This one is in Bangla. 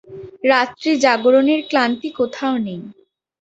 রাত্রি জাগরণের ক্লান্তি কোথাও নেই।